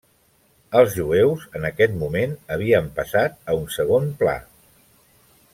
Els jueus, en aquest moment havien passat a un segon pla.